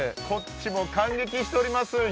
こっちも感激しております。